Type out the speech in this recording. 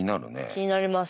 気になります。